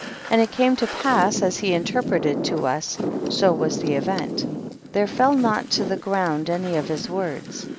36. And it came to pass as he in terpreted to us, so was the event ; there fell not to the ground any of his words.